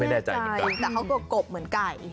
ไม่แน่ใจแต่เขาก็กบเหมือนไก่